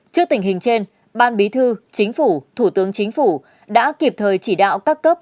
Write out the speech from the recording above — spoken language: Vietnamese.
trước tình hình trên ban bí thư chính phủ thủ tướng chính phủ đã kịp thời chỉ đạo các cấp